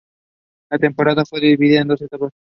La temporada fue dividida en dos etapas.